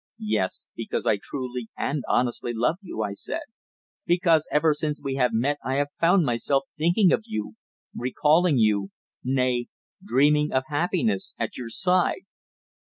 "Yes because I truly and honestly love you," I said, "because ever since we have met I have found myself thinking of you recalling you nay, dreaming of happiness at your side."